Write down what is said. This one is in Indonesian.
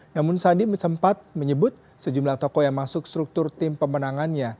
namun sandi sempat menyebut sejumlah tokoh yang masuk struktur tim pemenangannya